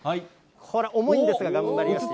これ、重いんですが、頑張ります。